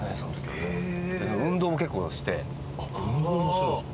運動もするんですか？